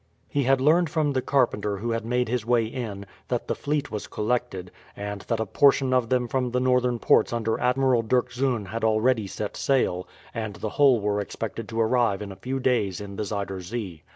He had learned from the carpenter who had made his way in, that the fleet was collected, and that a portion of them from the northern ports under Admiral Dirkzoon had already set sail, and the whole were expected to arrive in a few days in the Zuider Zee.